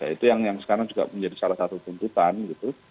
itu yang sekarang juga menjadi salah satu tuntutan gitu